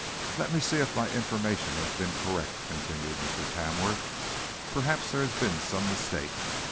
"Let us see if my information has been correct," continued Mr. Tamworth. "Perhaps there has been some mistake.